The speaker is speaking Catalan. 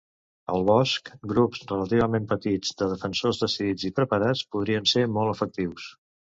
Al bosc, grups relativament petits de defensors decidits i preparats podien ser molt efectius.